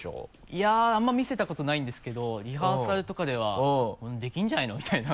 いやあんまり見せたことないんですけどリハーサルとかでは「できるんじゃないの？」みたいな。